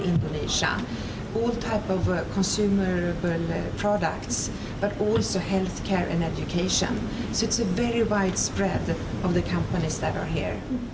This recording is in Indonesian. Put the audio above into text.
jadi ini adalah perjalanan yang sangat berjalan jalan dari perusahaan perusahaan yang ada di sini